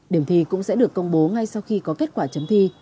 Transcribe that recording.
điểm thi cũng sẽ được công bố ngay sau khi có kết quả chấm thi